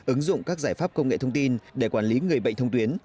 ứng dụng các giải pháp công nghệ thông tin để quản lý người bệnh thông tuyến